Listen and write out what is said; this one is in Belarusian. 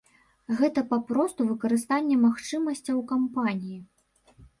Гэта папросту выкарыстанне магчымасцяў кампаніі.